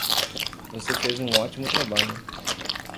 Você fez um ótimo trabalho!